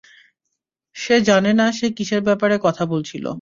সে জানে না সে কীসের ব্যাপারে কথা বলছিল।